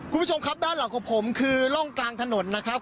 คุณผู้ชมครับด้านหลังของผมคือร่องกลางถนนนะครับ